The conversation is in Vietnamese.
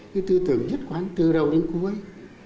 cái tư tưởng nhất quán từ đầu đến cuối